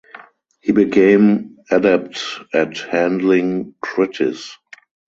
He became adept at handling kritis.